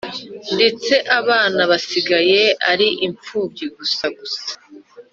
ndetse abana basigaye ari imfubyi gusa gusa